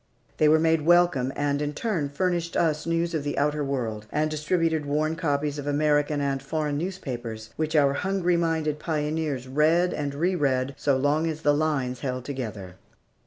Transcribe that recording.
They were made welcome, and in turn furnished us news of the outer world, and distributed worn copies of American and foreign newspapers, which our hungry minded pioneers read and re read so long as the lines held together.